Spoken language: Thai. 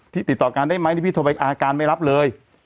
ติดต่อกันได้ไหมนี่พี่โทรไปอาการไม่รับเลย